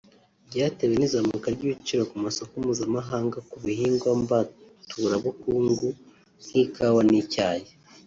byatewe n'izamuka ry'ibiciro ku masoko mpuzamahanga ku bihingwa mbaturabukungu nk'ikawa n'icyayi